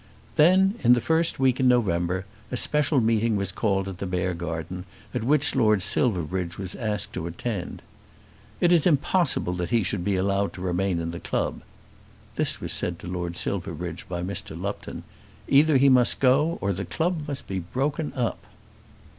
Then in the first week in November a special meeting was called at the Beargarden, at which Lord Silverbridge was asked to attend. "It is impossible that he should be allowed to remain in the club." This was said to Lord Silverbridge by Mr. Lupton. "Either he must go or the club must be broken up."